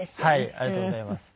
ありがとうございます。